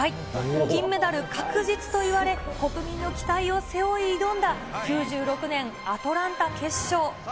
金メダル確実といわれ、国民の期待を背負い挑んだ９６年アトランタ決勝。